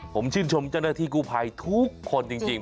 ผมชื่นชมเจ้าหน้าที่กู้ภัยทุกคนจริง